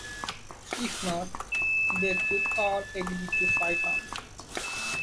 If not, they could all agree to fight on.